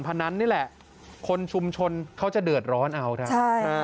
พนันนี่แหละคนชุมชนเขาจะเดือดร้อนเอาครับ